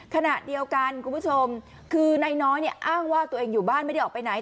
ขณะเดียวกันคุณผู้ชมคือนายน้อยเนี่ยอ้างว่าตัวเองอยู่บ้านไม่ได้ออกไปไหน